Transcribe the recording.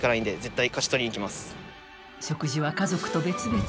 食事は家族と別々。